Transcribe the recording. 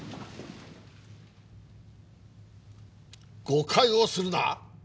誤解をするな！